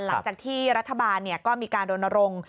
หลังจากที่รัฐบาลก็มีการโดนโรง